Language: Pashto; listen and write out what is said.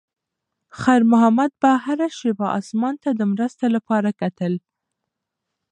خیر محمد به هره شېبه اسمان ته د مرستې لپاره کتل.